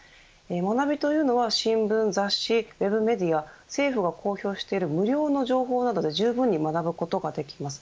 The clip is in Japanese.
学びというのは新聞、雑誌ウェブメディア政府が公表している無料の情報などでじゅうぶんに学ぶことができます。